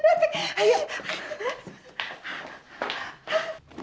berdoja daiku pak